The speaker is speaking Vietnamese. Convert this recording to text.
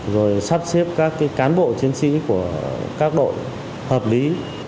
rồi sắp xếp các cán bộ chiến sĩ của các đội hợp lý